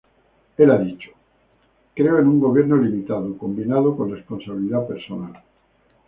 Él ha dicho: "Creo en un gobierno limitado combinado con responsabilidad personal.